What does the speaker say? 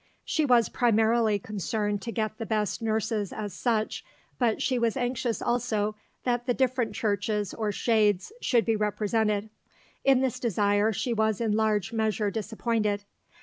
She was primarily concerned to get the best nurses as such, but she was anxious also that the different churches or shades should be represented. In this desire she was in large measure disappointed.